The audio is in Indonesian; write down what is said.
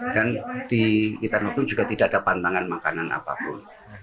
dan di hitan hukum juga tidak ada pantangan makanan apapun